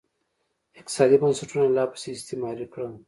اقتصادي بنسټونه یې لاپسې استثماري کړل